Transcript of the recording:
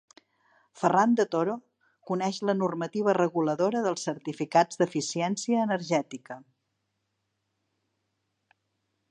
Ferran de Toro coneix la normativa reguladora dels certificats d'eficiència energètica.